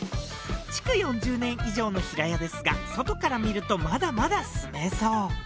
築４０年以上の平屋ですが外から見るとまだまだ住めそう。